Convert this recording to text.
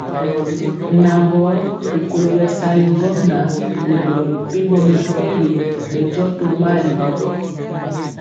Nan gɔ rikolo bɛsali ŋgomnaŋ nɛ boro mepempɔ mɛmpegi bɛndiɔ tomali.